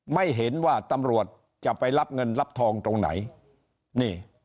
ไม่เห็นว่าตำรวจจะไปรับเงินรับทองตรงไหนนี่